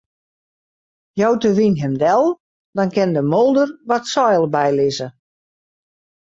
Jout de wyn him del, dan kin de moolder wat seil bylizze.